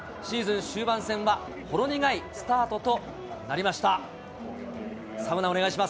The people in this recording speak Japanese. シーズン終盤戦はほろ苦いスタートとなりました。